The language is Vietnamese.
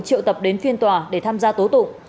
triệu tập đến phiên tòa để tham gia tố tụng